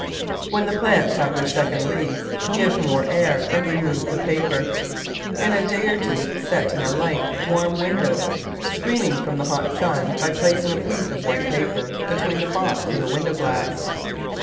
When the plants have their second leaves give more air and remove the paper; in a day or two set in a light, warm window, screening from the hot sun by placing a piece of white paper between the box and the window glass.